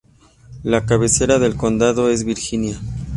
La cabecera del condado es Virginia.